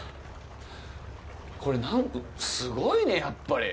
これ、すごいね、やっぱり。